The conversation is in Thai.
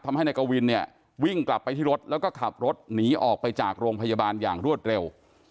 นายกวินเนี่ยวิ่งกลับไปที่รถแล้วก็ขับรถหนีออกไปจากโรงพยาบาลอย่างรวดเร็ว